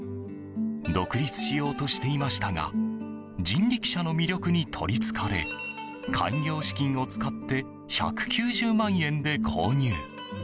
独立しようとしていましたが人力車の魅力に取りつかれ開業資金を使って１９０万円で購入。